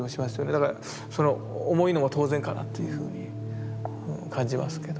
だからその重いのも当然かなというふうに感じますけど。